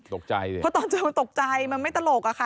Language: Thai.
ตกใจด้วยเพราะตอนเจอมันตกใจมันไม่ตลกค่ะ